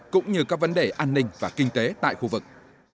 cũng như các vấn đề an ninh và kinh tế tại khu vực